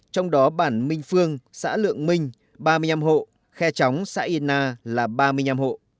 trong đó bản minh phương xã lượng minh ba mươi năm hộ khe chóng xã yên na là ba mươi năm hộ